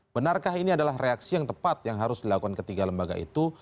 benarkah ini adalah reaksi yang tepat yang harus dilakukan ketiga lembaga itu